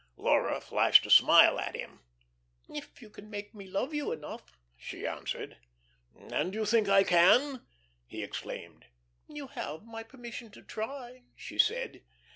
Laura flashed a smile at him. "If you can make me love you enough," she answered. "And you think I can?" he exclaimed. "You have my permission to try," she said.